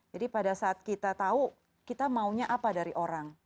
jadi pada saat kita tahu kita maunya apa dari orang